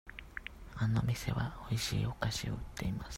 あの店はおいしいお菓子を売っています。